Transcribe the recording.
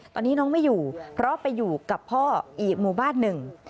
ตอนนี้น้องไม่อยู่เพราะไปอยู่กับพ่ออีกหมู่บ้านหนึ่ง